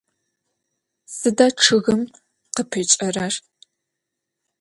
Sıda ççıgım khıpıç'erer?